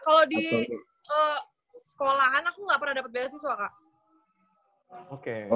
kalau di sekolahan aku gak pernah dapet beasiswa kak